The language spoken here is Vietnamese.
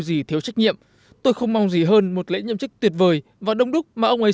gì thiếu trách nhiệm tôi không mong gì hơn một lễ nhậm chức tuyệt vời và đông đúc mà ông ấy